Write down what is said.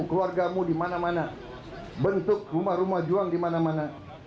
keluargamu dimana mana bentuk rumah rumah juang dimana mana